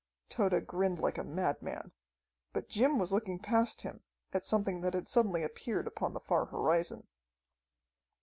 Tode grinned like a madman. But Jim was looking past him, at something that had suddenly appeared upon the far horizon.